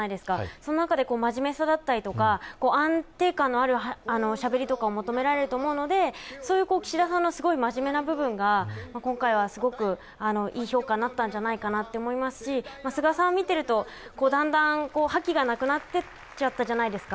その中で真面目さだったりとか安定感のあるしゃべりとかを求められると思うので岸田さんのそういう真面目な部分が今回はすごくいい評価になったんじゃないかなと思いますし菅さんを見ているとだんだん覇気がなくなっていっちゃったじゃないですか。